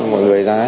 mọi người ra